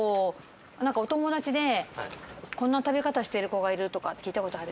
なんかお友達でこんな食べ方してる子がいるとか聞いたことある？